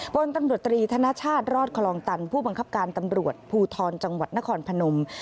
พลตำรวจตรีธนชาติรอดคลองตันผู้บังคับการตำรวจภูทรจังหวัดนครพนม